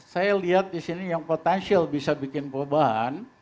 saya lihat di sini yang potensial bisa bikin perubahan